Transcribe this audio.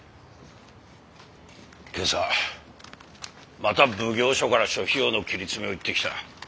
今朝また奉行所から諸費用の切り詰めを言ってきた。